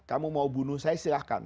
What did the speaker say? kamu mau bunuh saya silahkan